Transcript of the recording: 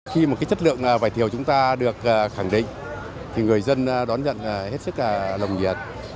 khi mà cái chất lượng vải thiều chúng ta được khẳng định thì người dân đón nhận hết sức là lồng nhiệt